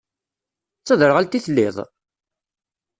D taderɣalt i telliḍ?